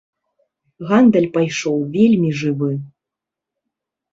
Гандаль пайшоў вельмі жывы.